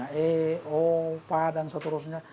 misalnya e o p dan seterusnya